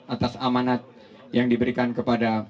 atas amanat yang diberikan kepada